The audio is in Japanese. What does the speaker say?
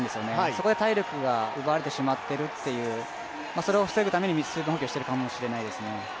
そこで体力が奪われてしまっているという、それを防ぐために水分補給しているかもしれないですね。